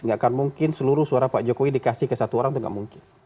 nggak akan mungkin seluruh suara pak jokowi dikasih ke satu orang itu gak mungkin